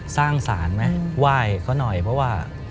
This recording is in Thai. สร้างสารไหมไหว้เขาหน่อยเพราะว่า